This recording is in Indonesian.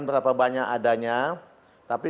berapa banyak adanya tapi